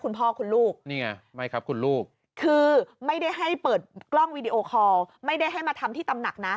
คุณพ่อคุณลูกนี่ไงไม่ครับคุณลูกคือไม่ได้ให้เปิดกล้องวีดีโอคอลไม่ได้ให้มาทำที่ตำหนักนะ